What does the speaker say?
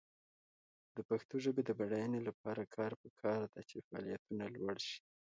د پښتو ژبې د بډاینې لپاره پکار ده چې فعالیتونه لوړ شي.